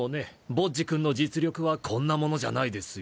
ボッジ君の実力はこんなものじゃないですよ。